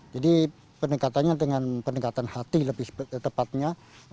jadi peningkatannya dengan peningkatan hati lebih tepatnya